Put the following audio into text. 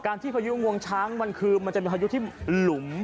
ที่พายุงวงช้างมันคือมันจะมีพายุที่หลุม